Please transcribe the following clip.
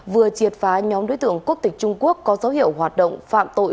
vừa triệt phá nhóm đối tượng quốc tịch trung quốc có dấu hiệu hoạt động phạm tội